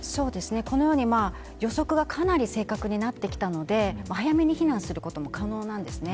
このように予測がかなり正確になってきたので早めに避難することも可能なんですね。